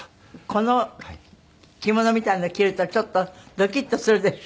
この着物みたいなの着るとちょっとドキッとするでしょ？